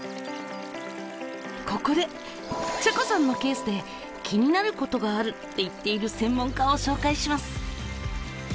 ここでちゃこさんのケースで気になることがあるって言っている専門家を紹介します。